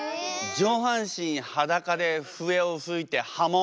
上半身はだかで笛を吹いて破門。